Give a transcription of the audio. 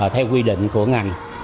theo quy định của ngành